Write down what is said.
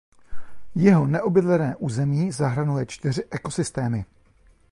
Jeho neobydlené území zahrnuje čtyři ekosystémy.